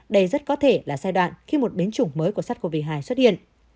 đây rất có thể là giai đoạn khi một biến chủng mới của sars cov hai xuất hiện